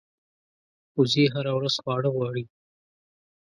وزې هره ورځ خواړه غواړي